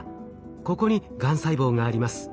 ここにがん細胞があります。